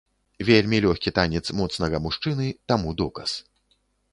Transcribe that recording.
Вельмі лёгкі танец моцнага мужчыны таму доказ.